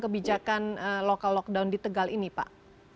kebijakan lokal lockdown di tegal ini pak